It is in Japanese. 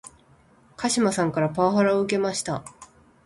鹿島さんからパワハラを受けました